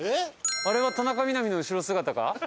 あれは田中みな実の後ろ姿か？